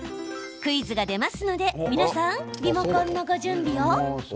クイズが出ますので皆さん、リモコンのご準備を。